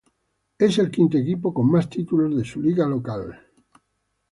Es el quinto equipo con más títulos de su liga local.